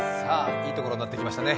いいところになってきましたね。